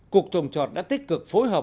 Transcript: cuộc trồng trọt đã tích cực phối hợp